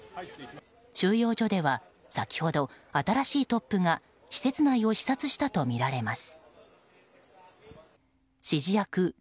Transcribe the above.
収容所では先ほど新しいトップが施設内を視察したとみられます。